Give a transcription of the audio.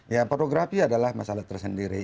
ya pornografi adalah masalah tersendiri